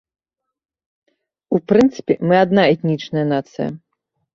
У прынцыпе, мы адна этнічная нацыя.